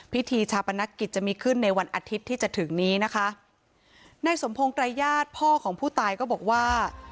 พิธีชาปนกิจจะมีขึ้นในวันอาทิตย์ที่จะถึงนี้นะคะนายสมพงศ์ไกรญาติพ่อของผู้ตายก็บอกว่า